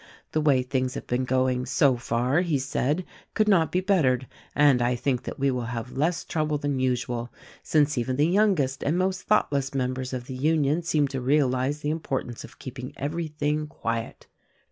"The way things have been going, so far, he said, could not be bettered; and I think that we will have less trouble than usual, since even the youngest and most thoughtless members of the Union seem to realize the importance of keeping everything quiet.